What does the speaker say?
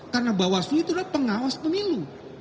karena bawasnu itu adalah pengawas pemilu